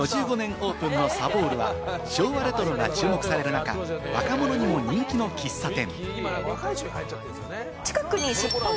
オープンのさぼうるは昭和レトロが注目される中、若者にも人気の喫茶店。